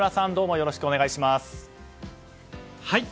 よろしくお願いします。